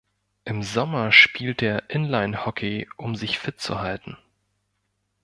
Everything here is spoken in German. Im Sommer spielt er Inlinehockey, um sich fit zu halten.